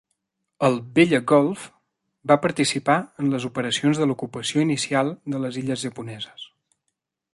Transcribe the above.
El "Vella Gulf" va participar en les operacions de l'ocupació inicial de les illes japoneses.